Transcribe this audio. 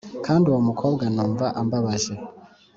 kandi uwo mukobwa numva ambabaje.’